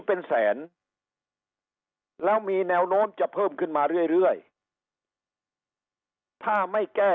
เป็นแสนแล้วมีแนวโน้มจะเพิ่มขึ้นมาเรื่อยถ้าไม่แก้